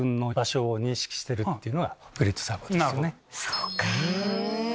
そうか。